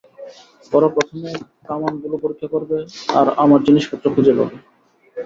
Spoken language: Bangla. ওরা প্রথমে কামানগুলো পরীক্ষা করবে আর আমার জিনিসপত্র খুঁজে পাবে।